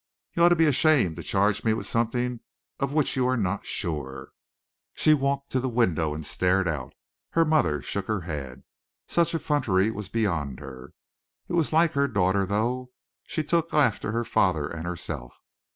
You ought to be ashamed to charge me with something of which you are not sure." She walked to the window and stared out. Her mother shook her head. Such effrontery was beyond her. It was like her daughter, though. She took after her father and herself.